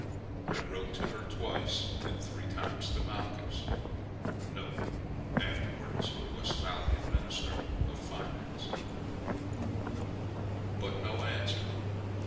I wrote to her twice, and three times to Malchus (afterwards Westphalian Minister of Finance), but no answer.